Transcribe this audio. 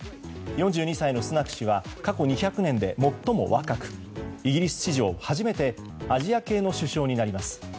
４２歳のスナク氏は過去２００年で最も若く、イギリス史上初めてアジア系の首相になります。